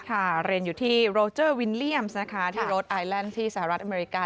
เรียนอยู่ที่โรเจอร์วิลเลี่ยมนะคะที่รถไอแลนด์ที่สหรัฐอเมริกา